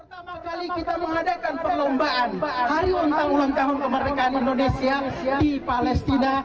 pertama kali kita mengadakan perlombaan hari ulang tahun kemerdekaan indonesia di palestina